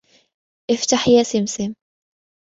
إفتح يا سمسم!